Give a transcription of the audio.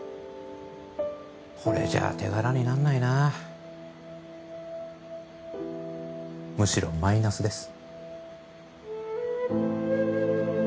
これじゃ手柄になんないなむしろマイナスです